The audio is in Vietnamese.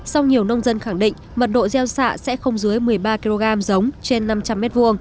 sau nhiều nông dân khẳng định mật độ gieo xạ sẽ không dưới một mươi ba kg giống trên năm trăm linh m hai